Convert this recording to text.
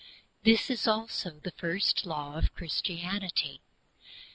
This is also a first law of Christianity.